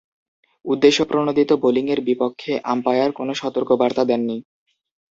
উদ্দেশ্যপ্রণোদিত বোলিংয়ের বিপক্ষে আম্পায়ার কোন সতর্কবার্তা দেননি।